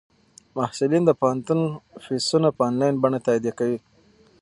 محصلین د پوهنتون فیسونه په انلاین بڼه تادیه کوي.